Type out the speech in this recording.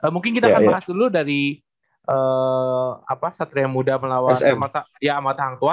mungkin kita akan bahas dulu dari satria muda melawan amat hangtua